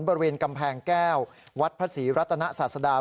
บริเวณกำแพงแก้ววัดพระศรีรัตนศาสดา